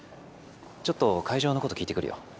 ちょっと会場のこと聞いてくるよ。